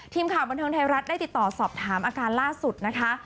ทีมข่าวบันเทิงไทยรัฐได้ติดต่อสอบถามอาการล่าสุดนะคะ